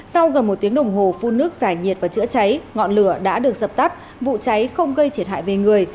sau gần một tiếng đồng hồ phun nước giải nhiệt và chữa cháy ngọn lửa đã được dập tắt vụ cháy không gây thiệt hại về người